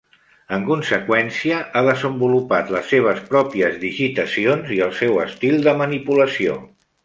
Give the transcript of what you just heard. En conseqüència, ha desenvolupat les seves pròpies digitacions i el seu estil de manipulació.